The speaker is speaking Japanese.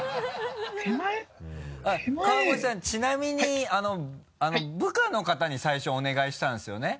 川越さんちなみにあの部下の方に最初お願いしたんですよね？